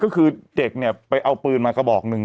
ก็คือเด็กเนี่ยไปเอาปืนมากระบอกหนึ่ง